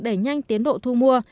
để nhanh tiến độ thu mua